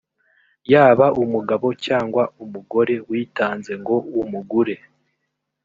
yaba umugabo cyangwa umugore witanze ngo umugure,